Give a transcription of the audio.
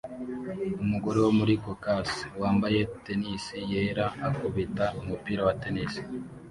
Umugore wo muri Caucase wambaye tennis yera akubita umupira wa tennis